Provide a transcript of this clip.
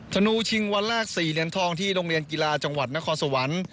ธนูชิงวันแรก๔เหรียญทองที่โรงเรียนกีฬาจังหวัดนครสวรรค์